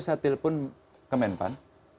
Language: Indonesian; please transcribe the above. saya telepon ke menpan